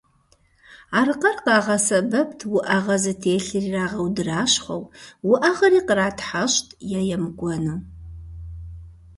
Аркъэр къагъэсэбэпт уӏэгъэ зытелъыр ирагъэудэращхъуэу, уӏэгъэри къратхьэщӏт е емыкӏуэну.